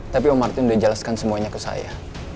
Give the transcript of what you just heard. tapi om martin udah jelaskan semuanya ke saya